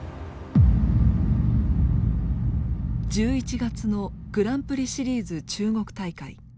１１月のグランプリシリーズ中国大会。